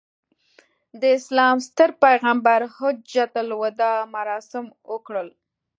د اسلام ستر پیغمبر حجته الوداع مراسم وکړل.